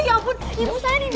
ya ampun ibu saya ini dah